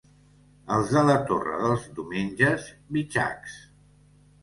Els de la Torre dels Domenges, bitxacs.